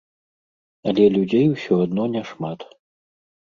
Але людзей усё адно не шмат.